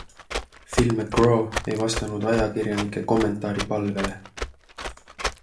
Phil McGraw ei vastanud ajakirjanike kommentaaripalvele.